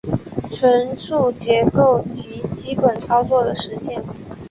存储结构及基本操作的实现